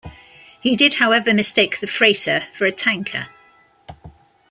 He did, however, mistake the freighter for a tanker.